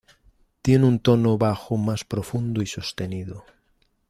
Tiene un tono bajo más profundo y sostenido.